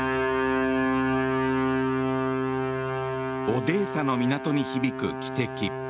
オデーサの港に響く汽笛。